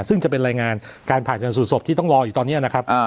ซึ่งจะเป็นรายงานการผ่าชนสูตรศพที่ต้องรออยู่ตอนนี้นะครับ